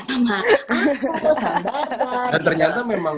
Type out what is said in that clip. sama bartan gitu dan ternyata memang